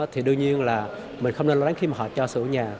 thì đương nhiên là mình không nên lo lắng khi mà họ cho sở hữu nhà